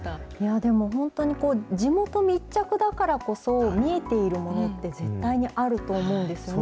でも本当に地元密着だからこそ見えているものって、絶対にあると思うんですよね。